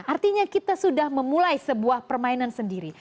artinya kita sudah memulai sebuah permainan sendiri